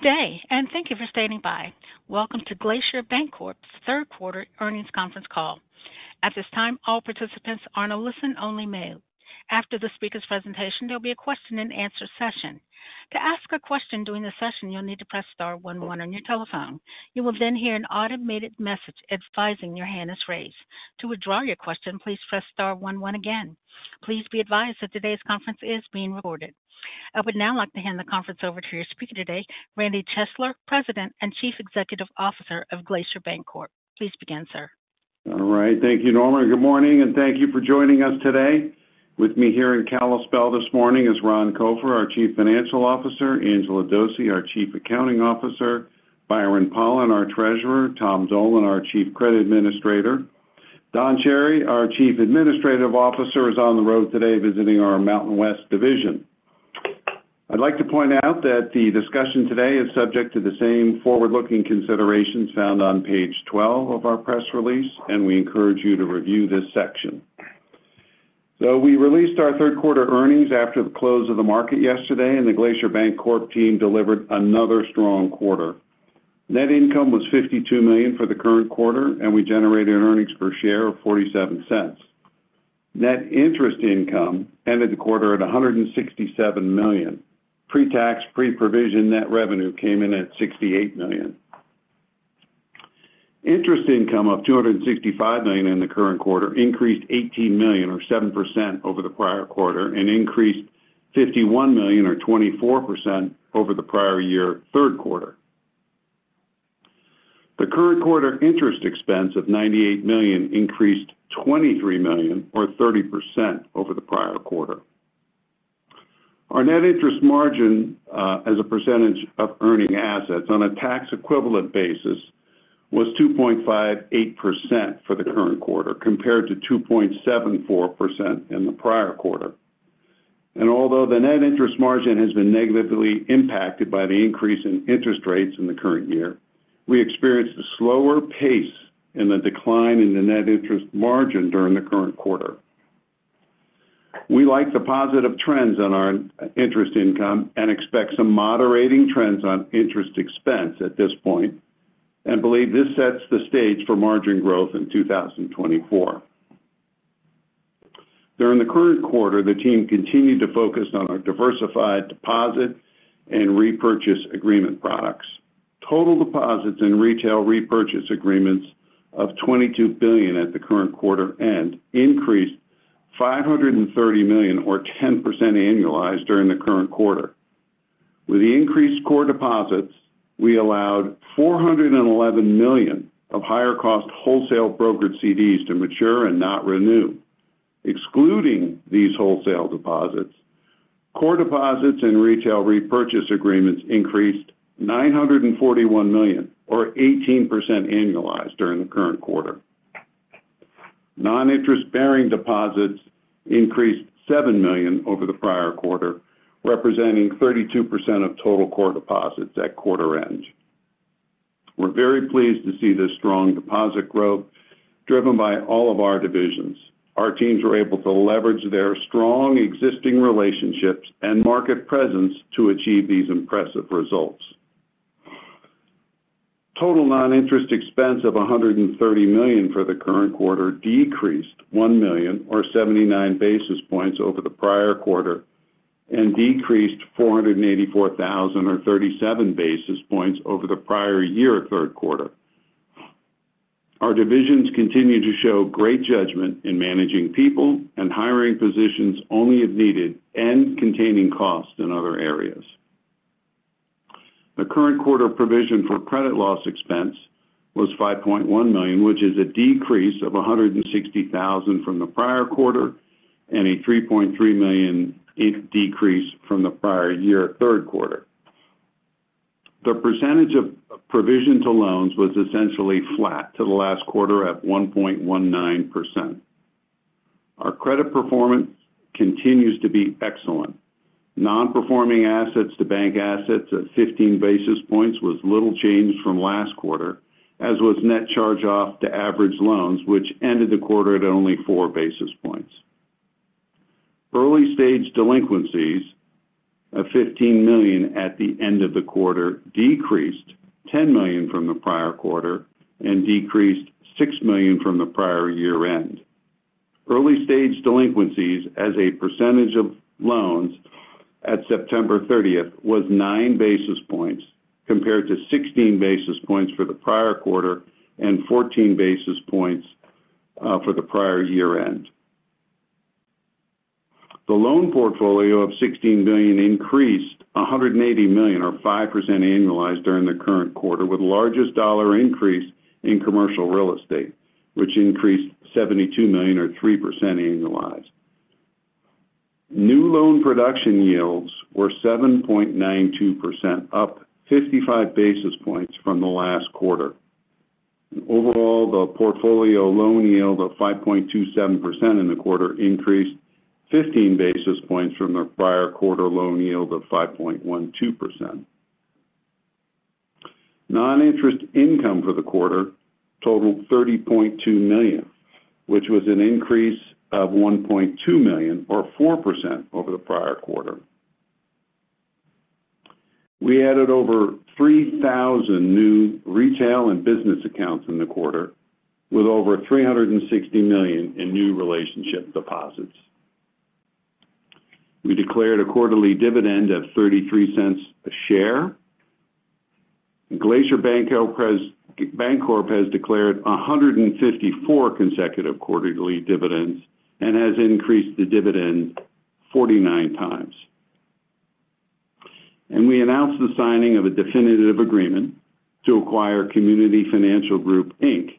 Good day, and thank you for standing by. Welcome to Glacier Bancorp's Q3 earnings conference call. At this time, all participants are on a listen-only mode. After the speaker's presentation, there'll be a question-and-answer session. To ask a question during the session, you'll need to press star one one on your telephone. You will then hear an automated message advising your hand is raised. To withdraw your question, please press star one one again. Please be advised that today's conference is being recorded. I would now like to hand the conference over to your speaker today, Randy Chesler, President and Chief Executive Officer of Glacier Bancorp. Please begin, sir. All right. Thank you, Norma, and good morning, and thank you for joining us today. With me here in Kalispell this morning is Ron Copher, our Chief Financial Officer, Angela Dose, our Chief Accounting Officer, Byron Pollan, our Treasurer, Tom Dolan, our Chief Credit Administrator. Don Chery, our Chief Administrative Officer, is on the road today visiting our Mountain West Division. I'd like to point out that the discussion today is subject to the same forward-looking considerations found on page 12 of our press release, and we encourage you to review this section. We released our Q3 earnings after the close of the market yesterday, and the Glacier Bancorp team delivered another strong quarter. Net income was $52 million for the current quarter, and we generated earnings per share of $0.47. Net interest income ended the quarter at $167 million. Pre-tax, pre-provision net revenue came in at $68 million. Interest income of $265 million in the current quarter increased $18 million, or 7%, over the prior quarter, and increased $51 million, or 24%, over the prior year Q3. The current quarter interest expense of $98 million increased $23 million, or 30%, over the prior quarter. Our net interest margin as a percentage of earning assets on a tax equivalent basis was 2.58% for the current quarter, compared to 2.74% in the prior quarter. Although the net interest margin has been negatively impacted by the increase in interest rates in the current year, we experienced a slower pace in the decline in the net interest margin during the current quarter. We like the positive trends on our interest income and expect some moderating trends on interest expense at this point, and believe this sets the stage for margin growth in 2024. During the current quarter, the team continued to focus on our diversified deposit and repurchase agreement products. Total deposits and retail repurchase agreements of $22 billion at the current quarter end increased $530 million, or 10% annualized, during the current quarter. With the increased core deposits, we allowed $411 million of higher-cost wholesale brokered CDs to mature and not renew. Excluding these wholesale deposits, core deposits and retail repurchase agreements increased $941 million, or 18% annualized, during the current quarter. Non-interest-bearing deposits increased $7 million over the prior quarter, representing 32% of total core deposits at quarter end. We're very pleased to see this strong deposit growth driven by all of our divisions. Our teams were able to leverage their strong existing relationships and market presence to achieve these impressive results. Total non-interest expense of $130 million for the current quarter decreased $1 million, or 79 basis points over the prior quarter, and decreased $484,000, or 37 basis points over the prior year Q3. Our divisions continue to show great judgment in managing people and hiring positions only as needed and containing costs in other areas. The current quarter provision for credit loss expense was $5.1 million, which is a decrease of $160,000 from the prior quarter and a $3.3 million decrease from the prior year Q3. The percentage of provision to loans was essentially flat to the last quarter at 1.19%. Our credit performance continues to be excellent. Non-performing assets to bank assets at 15 basis points was little change from last quarter, as was net charge-off to average loans, which ended the quarter at only 4 basis points. Early-stage delinquencies of $15 million at the end of the quarter decreased $10 million from the prior quarter and decreased $6 million from the prior year-end. Early-stage delinquencies as a percentage of loans at September 30th was 9 basis points, compared to 16 basis points for the prior quarter and 14 basis points for the prior year-end. The loan portfolio of $16 billion increased $180 million, or 5% annualized, during the current quarter, with the largest dollar increase in commercial real estate, which increased $72 million or 3% annualized. New loan production yields were 7.92%, up 55 basis points from the last quarter. Overall, the portfolio loan yield of 5.27% in the quarter increased 15 basis points from the prior quarter loan yield of 5.12%. Non-interest income for the quarter totaled $30.2 million, which was an increase of $1.2 million or 4% over the prior quarter. We added over 3,000 new retail and business accounts in the quarter, with over $360 million in new relationship deposits. We declared a quarterly dividend of $0.33 a share. Glacier Bancorp has declared 154 consecutive quarterly dividends and has increased the dividend 49 times. We announced the signing of a definitive agreement to acquire Community Financial Group, Inc.,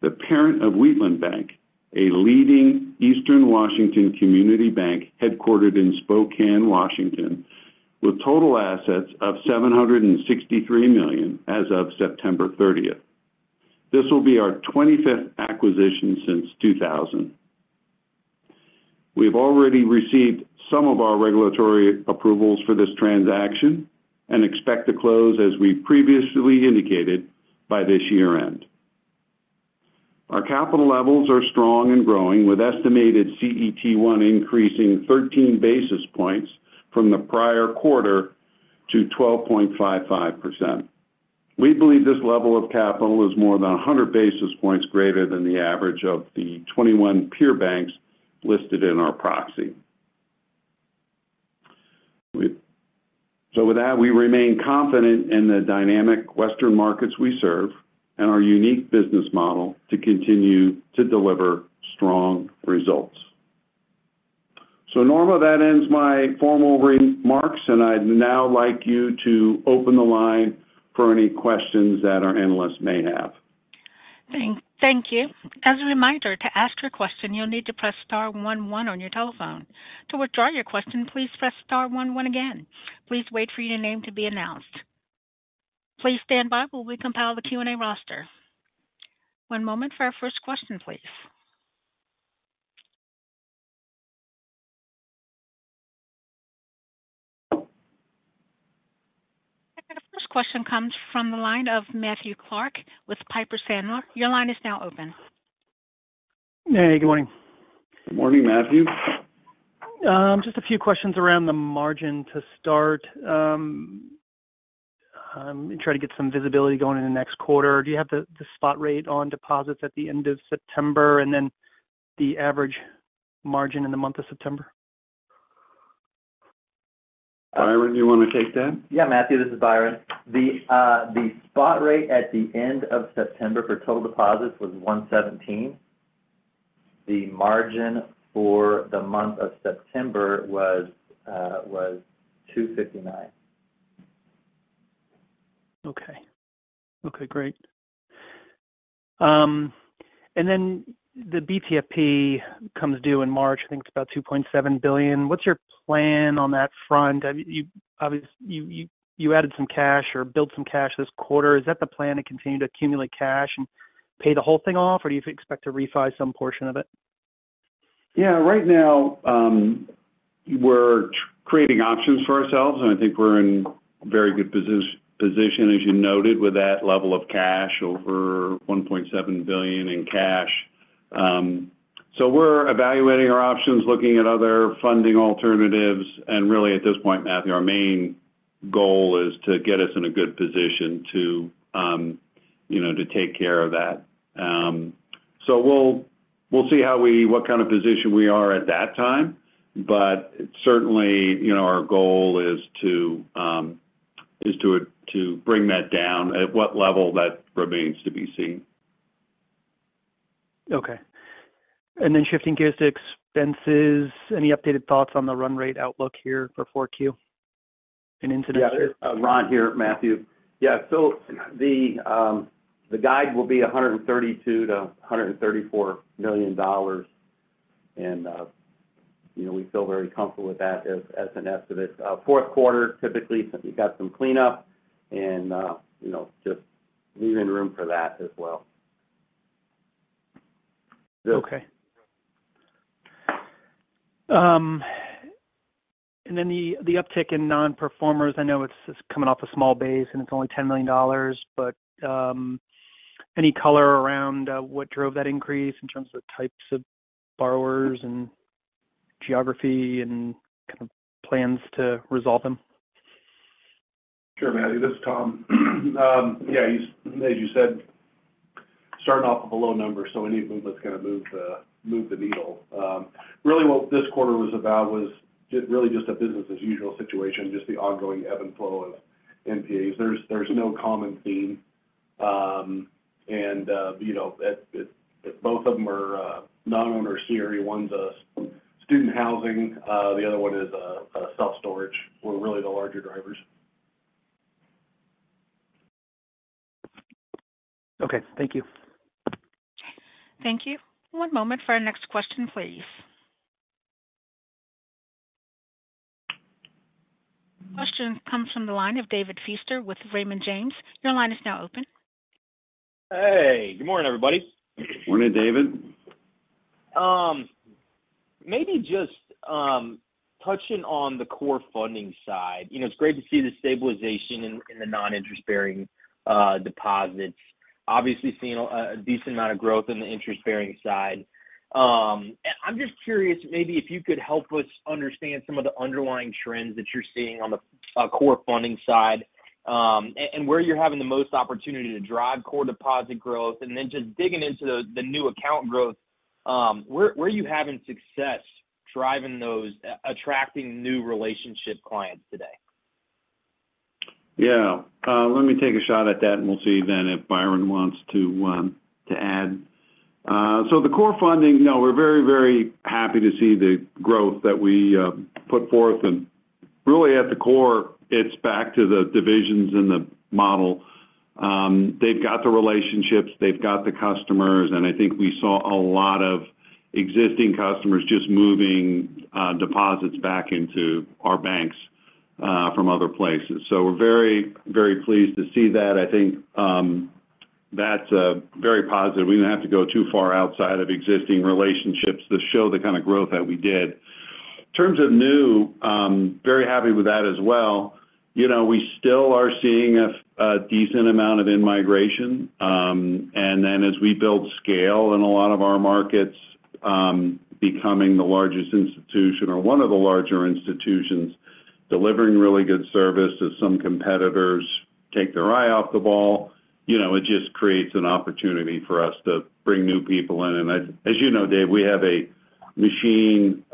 the parent of Wheatland Bank, a leading Eastern Washington community bank headquartered in Spokane, Washington, with total assets of $763 million as of September 30th. This will be our 25th acquisition since 2000. We've already received some of our regulatory approvals for this transaction and expect to close, as we previously indicated, by this year-end. Our capital levels are strong and growing, with estimated CET1 increasing 13 basis points from the prior quarter to 12.55%. We believe this level of capital is more than 100 basis points greater than the average of the 21 peer banks listed in our proxy. With that, we remain confident in the dynamic Western markets we serve and our unique business model to continue to deliver strong results. Norma, that ends my formal remarks, and I'd now like you to open the line for any questions that our analysts may have. Thank you. As a reminder, to ask your question, you'll need to press star one, one on your telephone. To withdraw your question, please press star one, one again. Please wait for your name to be announced. Please stand by while we compile the Q&A roster. One moment for our first question, please. Our first question comes from the line of Matthew Clark with Piper Sandler. Your line is now open. Hey, good morning. Good morning, Matthew. Just a few questions around the margin to start. Try to get some visibility going in the next quarter. Do you have the spot rate on deposits at the end of September and then the average margin in the month of September? Byron, do you want to take that? Yeah, Matthew, this is Byron. The spot rate at the end of September for total deposits was 1.17%. The margin for the month of September was 2.59%. Okay. Okay, great. The BTFP comes due in March. I think it's about $2.7 billion. What's your plan on that front? You added some cash or built some cash this quarter. Is that the plan to continue to accumulate cash and pay the whole thing off, or do you expect to refi some portion of it? Yeah, right now, we're creating options for ourselves, and I think we're in very good position, as you noted, with that level of cash, over $1.7 billion in cash. We're evaluating our options, looking at other funding alternatives, and really at this point, Matthew, our main goal is to get us in a good position to, you know, take care of that. We'll see what kind of position we are at that time, but certainly, you know, our goal is to bring that down. At what level, that remains to be seen. Okay. Shifting gears to expenses. Any updated thoughts on the run rate outlook here for 4Q and into? Yeah, Ron here, Matthew. Yeah, the guide will be $132 million-$134 million. You know, we feel very comfortable with that as an estimate. Q4, typically, you've got some cleanup and, you know, just leaving room for that as well. Okay. The uptick in non-performers, I know it's coming off a small base, and it's only $10 million, but any color around what drove that increase in terms of types of borrowers and geography and kind of plans to resolve them? Sure, Matthew, this is Tom. Yeah, as you said, starting off with a low number, so any movement's gonna move the needle. Really, what this quarter was about was really just a business-as-usual situation, just the ongoing ebb and flow of NPAs. There's no common theme. You know, both of them are non-owner CRE. One's a student housing, the other one is a self-storage, were really the larger drivers. Okay, thank you. Thank you. One moment for our next question, please. Question comes from the line of David Feaster with Raymond James. Your line is now open. Hey, good morning, everybody. Morning, David. Maybe just touching on the core funding side. You know, it's great to see the stabilization in the non-interest-bearing deposits. Obviously, seeing a decent amount of growth in the interest-bearing side. I'm just curious, maybe if you could help us understand some of the underlying trends that you're seeing on the core funding side and where you're having the most opportunity to drive core deposit growth. Just digging into the new account growth, where are you having success driving those, attracting new relationship clients today? Yeah. Let me take a shot at that, and we'll see then if Byron wants to add. The core funding, you know, we're very, very happy to see the growth that we put forth. Really at the core, it's back to the divisions in the model. They've got the relationships, they've got the customers, and I think we saw a lot of existing customers just moving deposits back into our banks from other places. We're very, very pleased to see that. I think that's very positive. We didn't have to go too far outside of existing relationships to show the kind of growth that we did. In terms of new, very happy with that as well. You know, we still are seeing a decent amount of in-migration. As we build scale in a lot of our markets, becoming the largest institution or one of the larger institutions, delivering really good service as some competitors take their eye off the ball, you know, it just creates an opportunity for us to bring new people in. As you know, Dave, we have a machine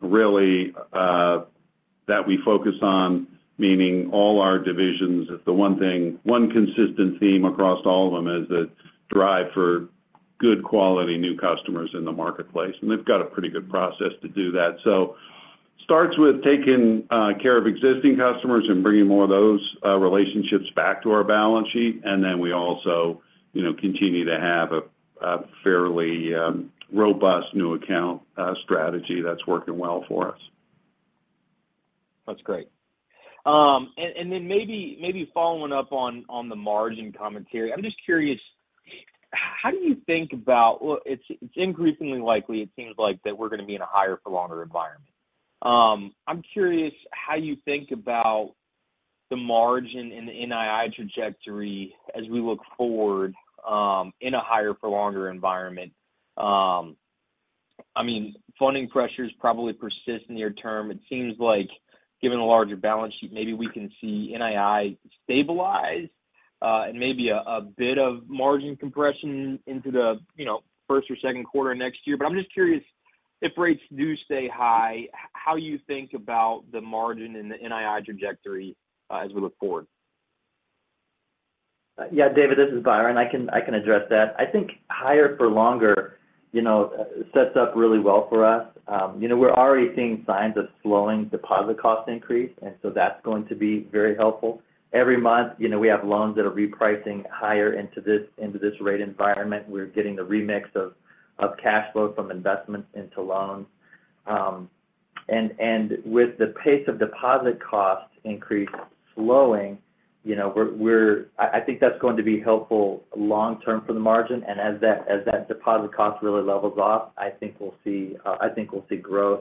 really that we focus on, meaning all our divisions. It's the one consistent theme across all of them is the drive for good quality, new customers in the marketplace, and they've got a pretty good process to do that. Starts with taking care of existing customers and bringing more of those relationships back to our balance sheet. We also, you know, continue to have a fairly robust new account strategy that's working well for us. That's great. Maybe following up on the margin commentary. I'm just curious, how do you think about... Well, it's increasingly likely, it seems like, that we're going to be in a higher-for-longer environment. I'm curious how you think about the margin and the NII trajectory as we look forward in a higher-for-longer environment. I mean, funding pressures probably persist near term. It seems like, given the larger balance sheet, maybe we can see NII stabilize and maybe a bit of margin compression into the, you know, first or Q2 next year. I'm just curious, if rates do stay high, how you think about the margin and the NII trajectory as we look forward? Yeah, David, this is Byron. I can address that. I think higher for longer, you know, sets up really well for us. You know, we're already seeing signs of slowing deposit cost increase, and so that's going to be very helpful. Every month, you know, we have loans that are repricing higher into this rate environment. We're getting the remix of cash flow from investments into loans. With the pace of deposit cost increase slowing, you know, I think that's going to be helpful long term for the margin. As that deposit cost really levels off, I think we'll see growth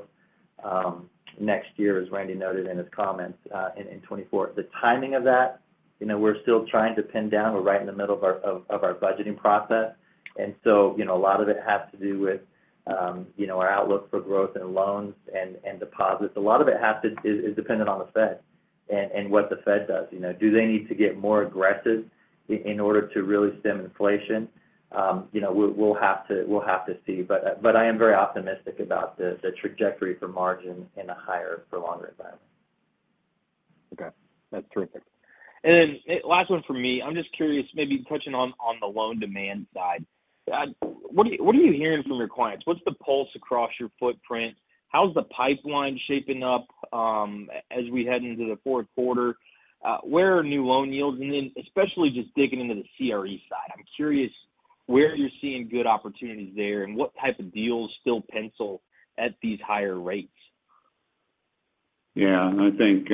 next year, as Randy noted in his comments, in 2024. The timing of that, you know, we're still trying to pin down. We're right in the middle of our budgeting process. You know, a lot of it has to do with, you know, our outlook for growth in loans and deposits. A lot of it is dependent on the Fed and what the Fed does. You know, do they need to get more aggressive in order to really stem inflation? You know, we'll have to see. I am very optimistic about the trajectory for margin in a higher-for-longer environment. Okay. That's terrific. Last one from me. I'm just curious, maybe touching on the loan demand side. What are you hearing from your clients? What's the pulse across your footprint? How's the pipeline shaping up as we head into the Q4? Where are new loan yields? Especially just digging into the CRE side, I'm curious where you're seeing good opportunities there and what type of deals still pencil at these higher rates. Yeah, I think,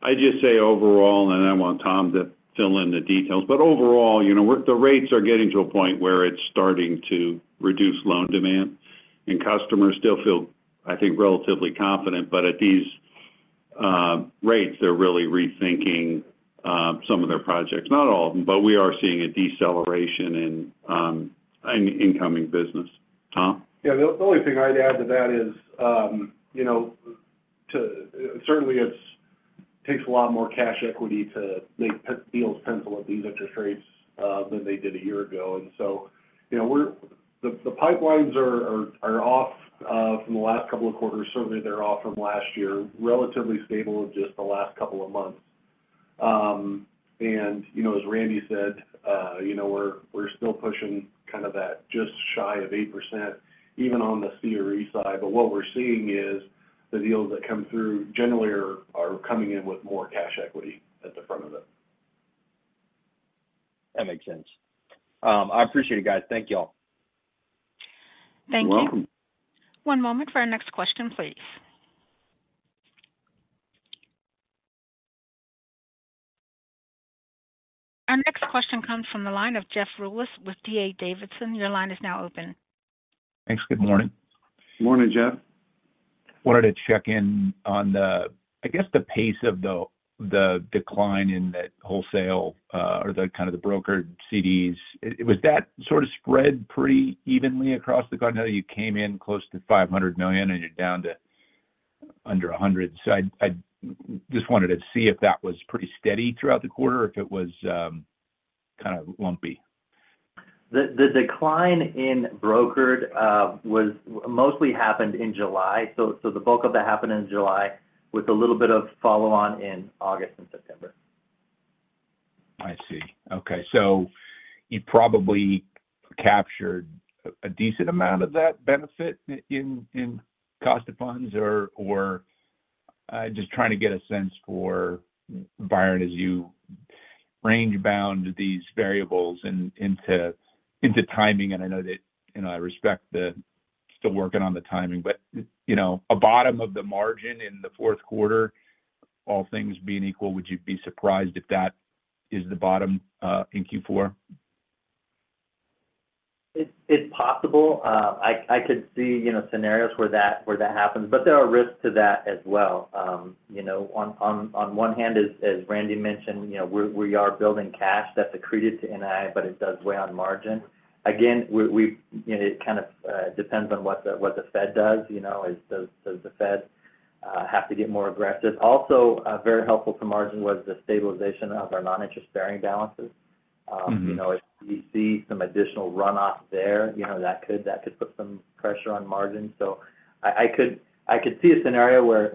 I'd just say overall, and I want Tom to fill in the details. Overall, you know, the rates are getting to a point where it's starting to reduce loan demand. Customers still feel, I think, relatively confident, but at these rates, they're really rethinking some of their projects. Not all of them, but we are seeing a deceleration in incoming business. Tom? Yeah, the only thing I'd add to that is, you know, certainly takes a lot more cash equity to make deals pencil at these interest rates than they did a year ago. You know, the pipelines are off from the last couple of quarters. Certainly, they're off from last year, relatively stable in just the last couple of months. You know, as Randy said, you know, we're still pushing kind of that just shy of 8%, even on the CRE side. But what we're seeing is the deals that come through generally are coming in with more cash equity at the front of them. That makes sense. I appreciate it, guys. Thank you all. Thank you. You're welcome. One moment for our next question, please. Our next question comes from the line of Jeff Rulis with D.A. Davidson. Your line is now open. Thanks. Good morning. Good morning, Jeff. I wanted to check in on the -- I guess, the pace of the decline in the wholesale or the kind of the brokered CDs, was that sort of spread pretty evenly across the quarter? You came in close to $500 million and you're down to under $100 million. So I just wanted to see if that was pretty steady throughout the quarter if it was kind of lumpy? The decline in brokered mostly happened in July. The bulk of that happened in July, with a little bit of follow-on in August and September. I see. Okay. You probably captured a decent amount of that benefit in cost of funds. I'm just trying to get a sense for, Byron, as you range bound these variables into timing, and I know that, you know, I respect that still working on the timing. You know, a bottom of the margin in the Q4, all things being equal, would you be surprised if that is the bottom in Q4? It's possible. I could see, you know, scenarios where that happens. There are risks to that as well. You know, on one hand, as Randy mentioned, you know, we are building cash that's accreted to NII, but it does weigh on margin. Again, you know, it kind of depends on what the Fed does. You know, does the Fed have to get more aggressive? Also, very helpful to margin was the stabilization of our non-interest-bearing balances. Mm-hmm. You know, if we see some additional runoff there, you know, that could put some pressure on margin. I could see a scenario where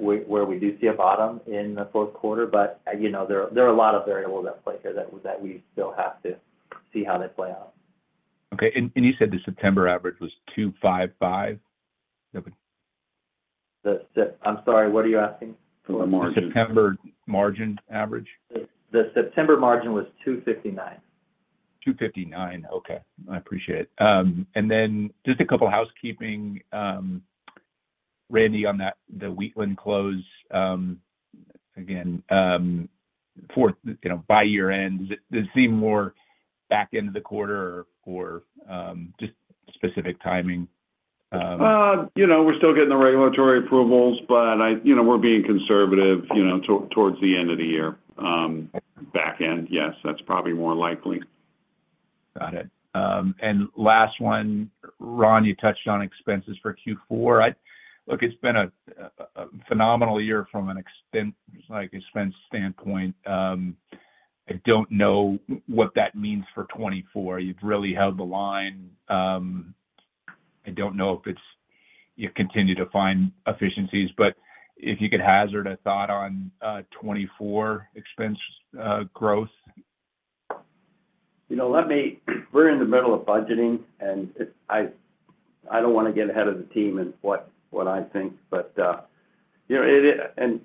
we do see a bottom in the Q4, but, you know, there are a lot of variables at play here that we still have to see how they play out. Okay. You said the September average was 2.55? I'm sorry, what are you asking? The margin. The September margin average. The September margin was 2.59. 2.59. Okay, I appreciate it. Just a couple housekeeping. Randy, on that, the Wheatland close, again, for, you know, by year-end, does it seem more back end of the quarter or just specific timing? You know, we're still getting the regulatory approvals, but you know, we're being conservative, you know, towards the end of the year. Back end, yes, that's probably more likely. Got it. Last one, Ron, you touched on expenses for Q4. Look, it's been a phenomenal year from an expense, like, expense standpoint. I don't know what that means for 2024. You've really held the line. I don't know if it's you continue to find efficiencies, but if you could hazard a thought on 2024 expense growth. You know, we're in the middle of budgeting, and I don't want to get ahead of the team in what I think. You know,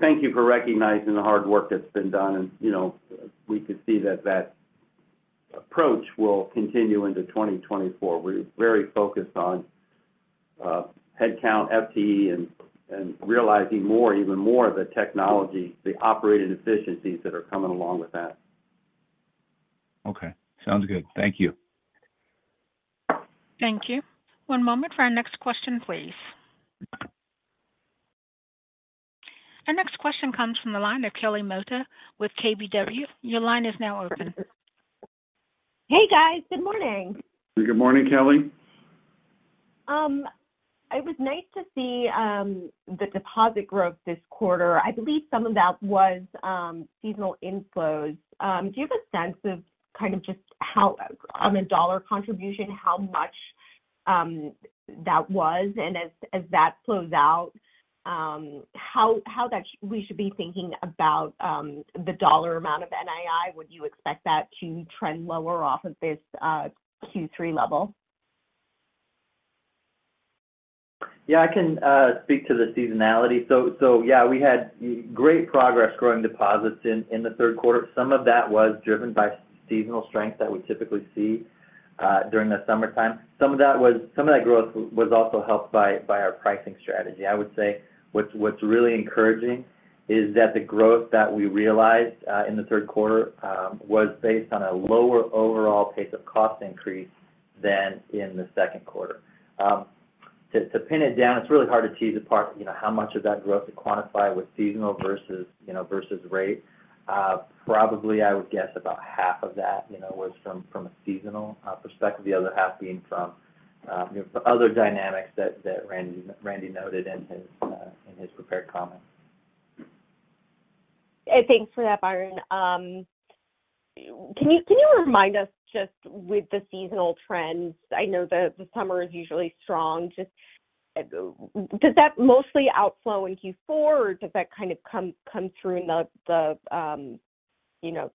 thank you for recognizing the hard work that's been done and, you know, we could see that that approach will continue into 2024. We're very focused on headcount, FTE, and realizing more, even more of the technology, the operating efficiencies that are coming along with that. Okay. Sounds good. Thank you. Thank you. One moment for our next question, please. Our next question comes from the line of Kelly Motta with KBW. Your line is now open. Hey, guys. Good morning. Good morning, Kelly. It was nice to see the deposit growth this quarter. I believe some of that was seasonal inflows. Do you have a sense of kind of just how, on a dollar contribution, how much that was? As that flows out, how we should be thinking about the dollar amount of NII? Would you expect that to trend lower off of this Q3 level? Yeah, I can speak to the seasonality. Yeah, we had great progress growing deposits in the Q3. Some of that was driven by seasonal strength that we typically see during the summertime. Some of that growth was also helped by our pricing strategy. I would say what's really encouraging is that the growth that we realized in the Q3 was based on a lower overall pace of cost increase than in the Q2. To pin it down, it's really hard to tease apart, you know, how much of that growth to quantify with seasonal versus, you know, rate. Probably, I would guess about half of that, you know, was from a seasonal perspective, the other half being from other dynamics that Randy noted in his prepared comments. Thanks for that, Byron. Can you remind us just with the seasonal trends? I know the summer is usually strong. Just does that mostly outflow in Q4, or does that kind of come through in the, you know,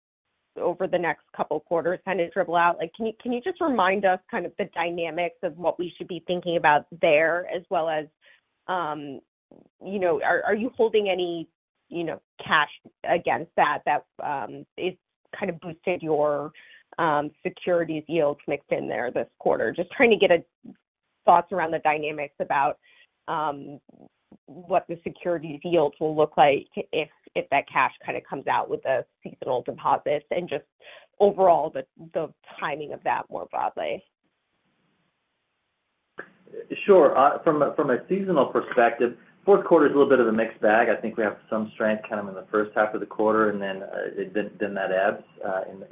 over the next couple of quarters, kind of dribble out? Like, can you just remind us kind of the dynamics of what we should be thinking about there, as well as, you know, are you holding any, you know, cash against that, that it's kind of boosted your securities yields mix in there this quarter? Just trying to get thoughts around the dynamics about what the securities yields will look like if that cash kind of comes out with the seasonal deposits, and just overall, the timing of that more broadly? Sure. From a seasonal perspective, Q4 is a little bit of a mixed bag. I think we have some strength kind of in the H1 of the quarter, and then that ebbs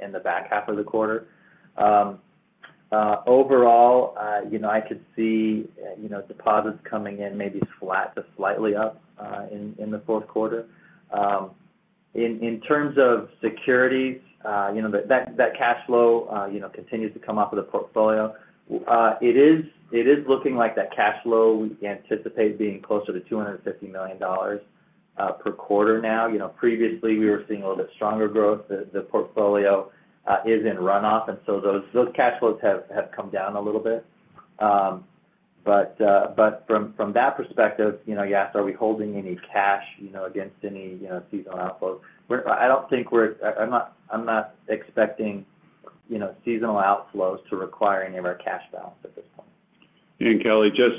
in the back half of the quarter. Overall, you know, I could see, you know, deposits coming in maybe flat to slightly up in the Q4. In terms of securities, you know, that cash flow, you know, continues to come off of the portfolio. It is looking like that cash flow, we anticipate being closer to $250 million per quarter now. You know, previously, we were seeing a little bit stronger growth. The portfolio is in run-off, and so those cash flows have come down a little bit. From that perspective, you know, you ask, are we holding any cash, you know, against any, you know, seasonal outflows? I'm not expecting, you know, seasonal outflows to require any of our cash balance at this point. Kelly, just,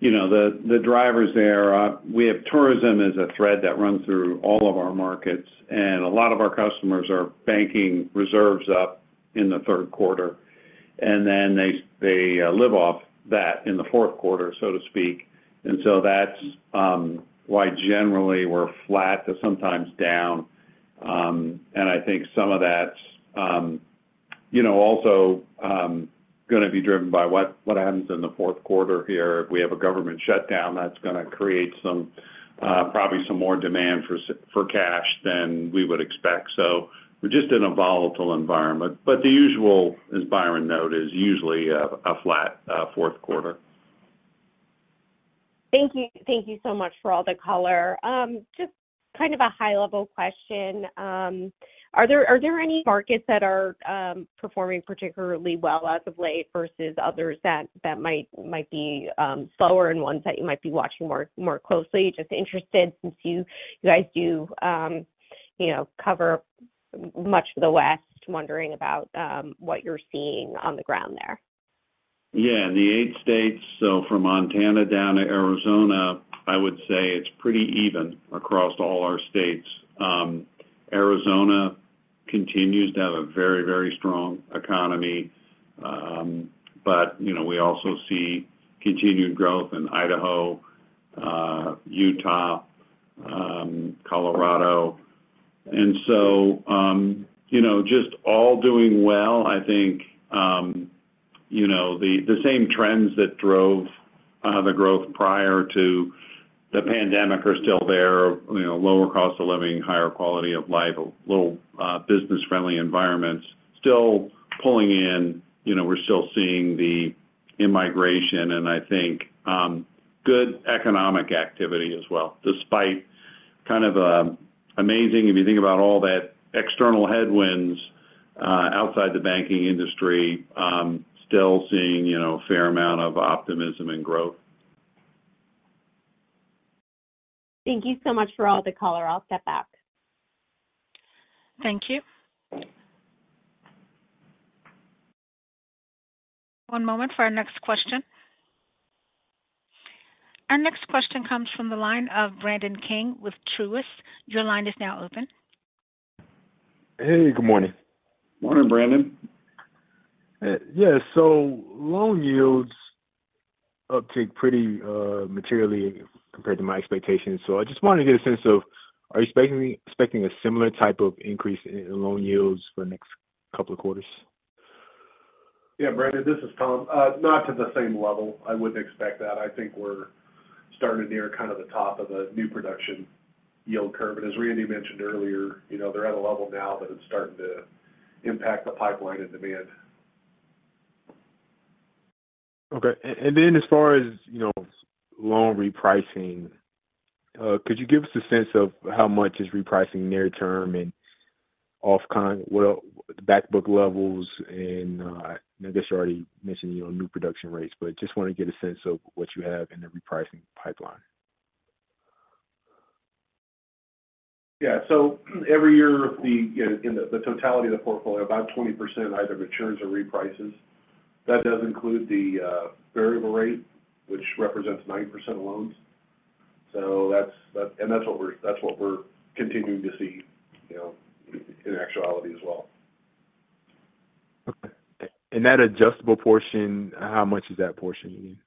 you know, the drivers there, we have tourism as a thread that runs through all of our markets, and a lot of our customers are banking reserves up in the Q3, and then they live off that in the Q4, so to speak. That's why generally we're flat to sometimes down. I think some of that's, you know, also gonna be driven by what happens in the Q4 here. If we have a government shutdown, that's gonna create some probably some more demand for cash than we would expect. We're just in a volatile environment. The usual, as Byron noted, is usually a flat Q4. Thank you. Thank you so much for all the color. Just kind of a high-level question. Are there any markets that are performing particularly well as of late versus others that might be slower and ones that you might be watching more closely? Just interested since you guys do, you know, cover much of the West, wondering about what you're seeing on the ground there. Yeah, in the eight states, so from Montana down to Arizona, I would say it's pretty even across all our states. Arizona continues to have a very, very strong economy. You know, we also see continued growth in Idaho, Utah, Colorado. You know, just all doing well. I think, you know, the same trends that drove the growth prior to the pandemic are still there. You know, lower cost of living, higher quality of life, a little business-friendly environments still pulling in. You know, we're still seeing the in-migration and I think good economic activity as well, despite kind of amazing if you think about all that external headwinds outside the banking industry, still seeing, you know, a fair amount of optimism and growth. Thank you so much for all the color. I'll step back. Thank you. One moment for our next question. Our next question comes from the line of Brandon King with Truist. Your line is now open. Hey, good morning. Morning, Brandon. Yeah, loan yields uptick pretty materially compared to my expectations. I just wanted to get a sense of, are you expecting a similar type of increase in loan yields for the next couple of quarters? Yeah, Brandon, this is Tom. Not to the same level. I wouldn't expect that. I think we're starting to near kind of the top of a new production yield curve. As Randy mentioned earlier, you know, they're at a level now that it's starting to impact the pipeline and demand. Okay. As far as, you know, loan repricing, could you give us a sense of how much is repricing near term and off kind, what back book levels? I guess you already mentioned, you know, new production rates, but just wanna get a sense of what you have in the repricing pipeline. Yeah. Every year, you know, in the totality of the portfolio, about 20% either matures or reprices. That does include the variable rate, which represents 90% of loans. That's what we're continuing to see, you know, in actuality as well. Okay. That adjustable portion, how much is that portion again?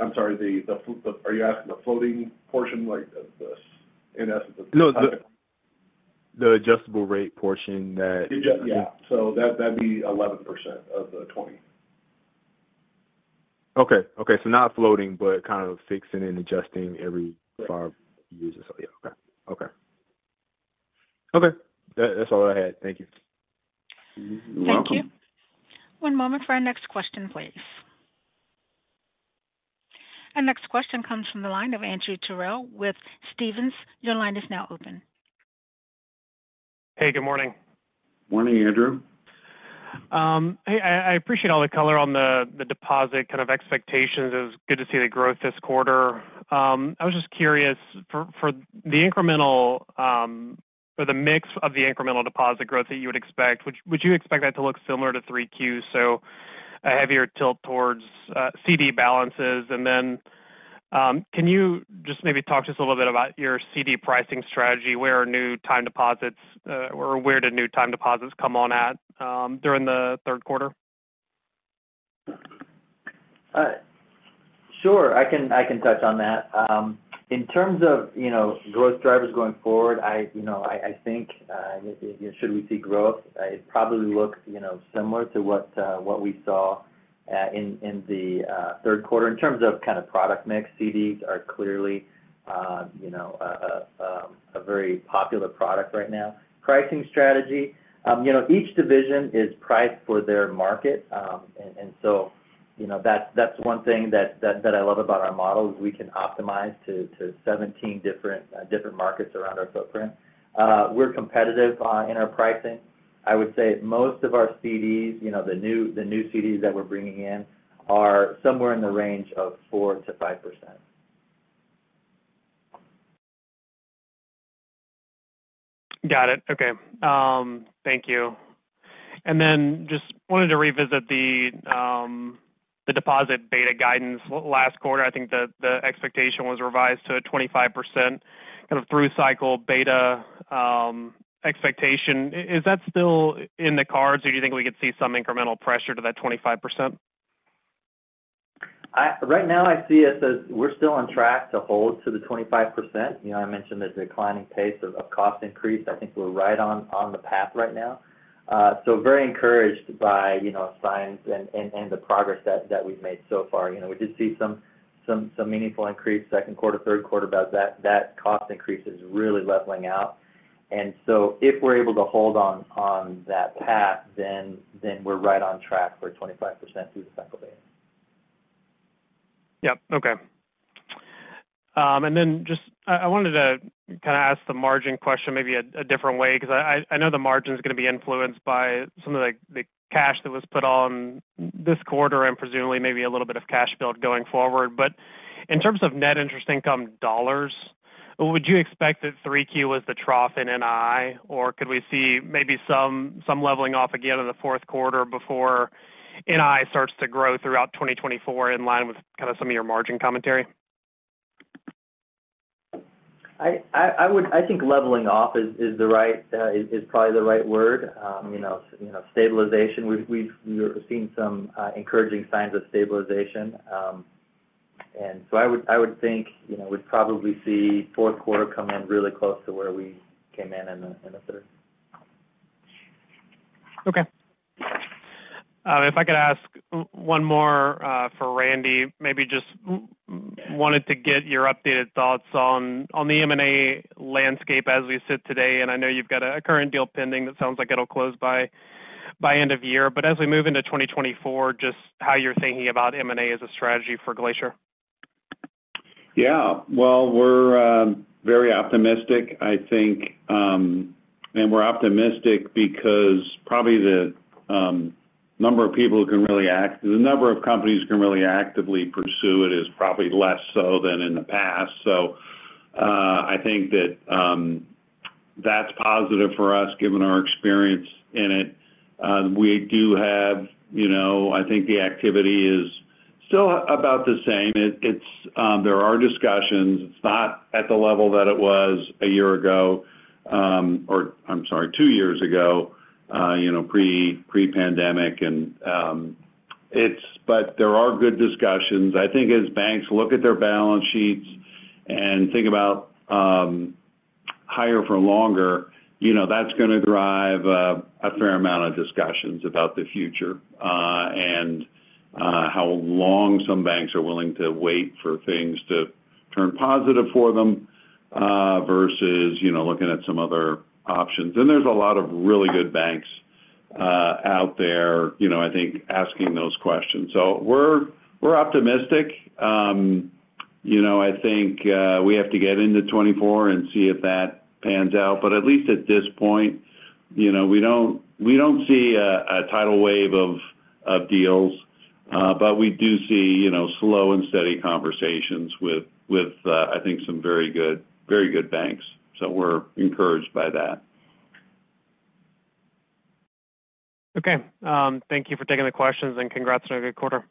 I'm sorry, are you asking the floating portion, like, in essence, the? No, the adjustable rate portion that. Yeah. That'd be 11% of the 20. Okay. Okay, not floating, but kind of fixing and adjusting every 5 years or so. Yeah, okay. Okay. Okay, that's all I had. Thank you. You're welcome. Thank you. One moment for our next question, please. Our next question comes from the line of Andrew Terrell with Stephens. Your line is now open. Hey, good morning. Morning, Andrew. Hey, I appreciate all the color on the deposit kind of expectations. It was good to see the growth this quarter. I was just curious for the mix of the incremental deposit growth that you would expect, would you expect that to look similar to 3Qs? A heavier tilt towards CD balances? Can you just maybe talk to us a little bit about your CD pricing strategy? Where are new time deposits, or where did new time deposits come on at during the Q3? Sure, I can touch on that. In terms of, you know, growth drivers going forward, I, you know, I think should we see growth, it probably looks, you know, similar to what we saw in the Q3. In terms of kind of product mix, CDs are clearly, you know, a very popular product right now. Pricing strategy, you know, each division is priced for their market. You know, that's one thing that I love about our model, is we can optimize to 17 different markets around our footprint. We're competitive in our pricing. I would say most of our CDs, you know, the new CDs that we're bringing in are somewhere in the range of 4%-5%. Got it. Okay. Thank you. Just wanted to revisit the deposit beta guidance. Last quarter, I think the expectation was revised to a 25%, kind of through-cycle beta expectation. Is that still in the cards, or do you think we could see some incremental pressure to that 25%? Right now, I see it as we're still on track to hold to the 25%. I mentioned the declining pace of cost increase. I think we're right on the path right now. So, very encouraged by signs and the progress that we've made so far. We did see some meaningful increase Q2, Q3, but that cost increase is really leveling out. And so, if we're able to hold on that path, then we're right on track for 25% through the cycle beta. Yep. Okay. I just wanted to kind of ask the margin question maybe a different way because I know the margin is going to be influenced by some of the cash that was put on this quarter and presumably maybe a little bit of cash build going forward. In terms of net interest income dollars, would you expect that 3Q was the trough in N.I., or could we see maybe some leveling off again in the Q4 before N.I. starts to grow throughout 2024, in line with kind of some of your margin commentary? I think leveling off is the right, is probably the right word. You know, you know, stabilization, we've seen some encouraging signs of stabilization. I would think, you know, we'd probably see Q4 come in really close to where we came in in the third. Okay. If I could ask one more for Randy, maybe just wanted to get your updated thoughts on the M&A landscape as we sit today. I know you've got a current deal pending that sounds like it'll close by end of year. As we move into 2024, just how you're thinking about M&A as a strategy for Glacier. Yeah. Well, we're very optimistic, I think. We're optimistic because probably the number of people who can really act-- the number of companies who can really actively pursue it is probably less so than in the past. I think that that's positive for us, given our experience in it. We do have, you know, I think the activity is still about the same. There are discussions. It's not at the level that it was a year ago, or I'm sorry, two years ago, you know, pre-pandemic, but there are good discussions. I think as banks look at their balance sheets and think about higher-for-longer, you know, that's going to drive a fair amount of discussions about the future and how long some banks are willing to wait for things to turn positive for them versus, you know, looking at some other options. There's a lot of really good banks out there, you know, I think asking those questions. We're optimistic. You know, I think we have to get into 2024 and see if that pans out. At least at this point, you know, we don't see a tidal wave of deals, but we do see, you know, slow and steady conversations with, I think, some very good, very good banks. We're encouraged by that. Okay. Thank you for taking the questions, and congrats on a good quarter.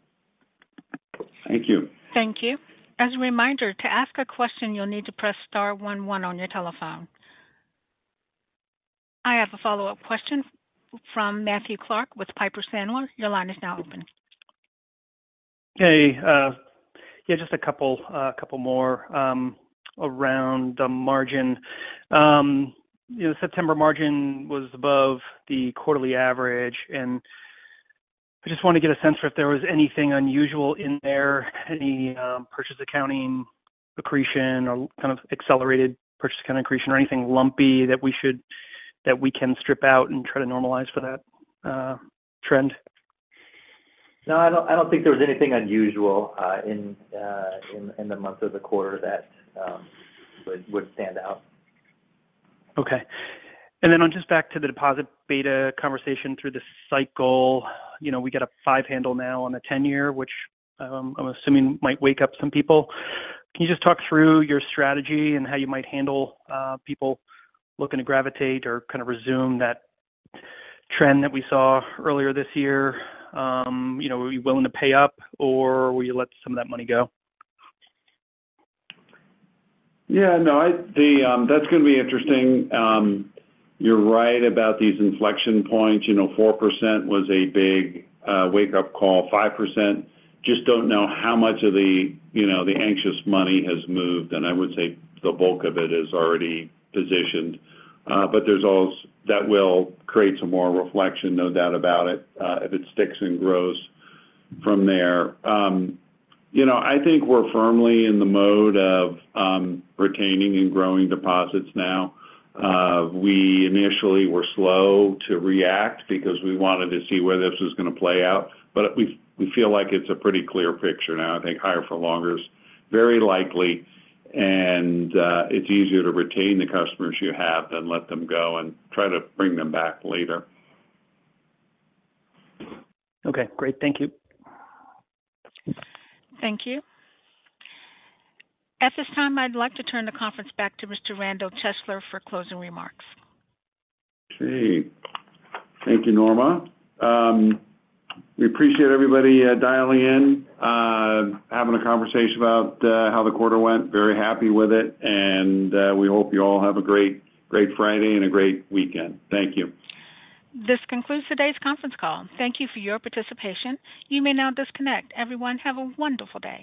Thank you. Thank you. As a reminder, to ask a question, you'll need to press star one one on your telephone. I have a follow-up question from Matthew Clark with Piper Sandler. Your line is now open. Hey, yeah, just a couple more around the margin. You know, September margin was above the quarterly average, and I just want to get a sense if there was anything unusual in there, any purchase accounting accretion or kind of accelerated purchase accretion, or anything lumpy that we can strip out and try to normalize for that trend? No, I don't think there was anything unusual in the month or the quarter that would stand out. Okay. Just back to the deposit beta conversation through this cycle, you know, we got a 5 handle now on the 10-year, which I'm assuming might wake up some people. Can you just talk through your strategy and how you might handle people looking to gravitate or kind of resume that trend that we saw earlier this year? You know, are you willing to pay up, or will you let some of that money go? Yeah, no, that's going to be interesting. You're right about these inflection points. You know, 4% was a big wake-up call. 5%, just don't know how much of the, you know, anxious money has moved, and I would say the bulk of it is already positioned. That will create some more reflection, no doubt about it, if it sticks and grows from there. You know, I think we're firmly in the mode of retaining and growing deposits now. We initially were slow to react because we wanted to see where this was going to play out, but we feel like it's a pretty clear picture now. I think higher for longer is very likely, and it's easier to retain the customers you have than let them go and try to bring them back later. Okay, great. Thank you. Thank you. At this time, I'd like to turn the conference back to Mr. Randall Chesler for closing remarks. Okay. Thank you, Norma. We appreciate everybody dialing in, having a conversation about how the quarter went. Very happy with it, and we hope you all have a great, great Friday and a great weekend. Thank you. This concludes today's conference call. Thank you for your participation. You may now disconnect. Everyone, have a wonderful day.